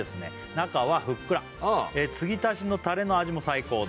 「中はふっくら継ぎ足しのタレの味も最高で」